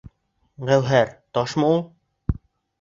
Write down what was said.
Гәүһәр ташмы ул?